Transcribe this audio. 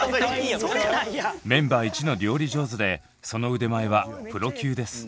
メンバー１の料理上手でその腕前はプロ級です。